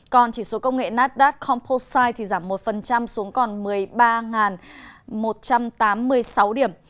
còn chỉ số công nghiệp nasdaq composite thì giảm một xuống còn một mươi ba một trăm tám mươi sáu điểm